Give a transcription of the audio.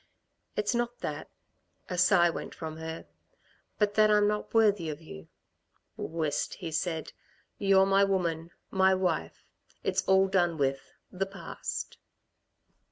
"It's not that," a sigh went from her "but that I'm not worthy of you." "Whist," he said. "You're my woman my wife. It's all done with, the past."